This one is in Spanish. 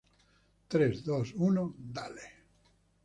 tres, dos, uno... ¡ dale!